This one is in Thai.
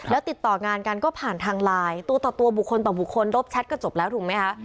แล้วติดต่องานกันก็ผ่านทางไลน์ตัวต่อตัวบุคคลต่อบุคคลรบแชทก็จบแล้วถูกไหมคะ